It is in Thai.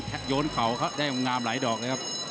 โยนเข่าเขาได้งามหลายดอกเลยครับ